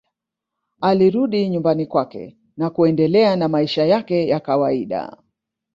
Alirudi nyumbani kwake na kuendelea na maisha yake ya kawaida